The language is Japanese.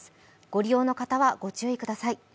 ご利用の方はご注意ください。